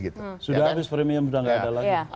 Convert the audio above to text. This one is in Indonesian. sudah habis premium sudah tidak ada lagi